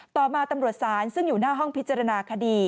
ต่อมาตำรวจศาลซึ่งอยู่หน้าห้องพิจารณาคดี